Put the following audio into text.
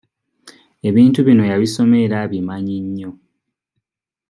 Ebintu bino yabisoma era abimanyi nnyo.